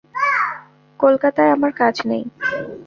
কলকাতায় আমার কাজ নেই।